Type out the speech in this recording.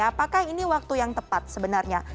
apakah ini waktu yang tepat sebenarnya